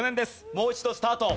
もう一度スタート。